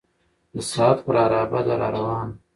د ساعت پر عرابه ده را روانه